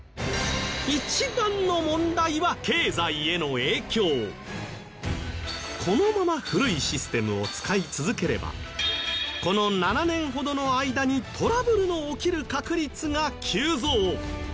一番の問題はこのまま古いシステムを使い続ければこの７年ほどの間にトラブルの起きる確率が急増。